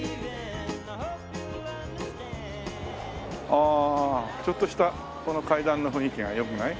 ああちょっとしたこの階段の雰囲気が良くない？